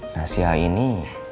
nah si a ini